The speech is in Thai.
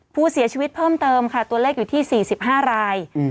ผู้เสียชีวิตเพิ่มเติมค่ะตัวเลขอยู่ที่๔๕ราย